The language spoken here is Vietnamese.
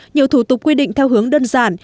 nhiều thủ tục quy định theo hướng đơn giản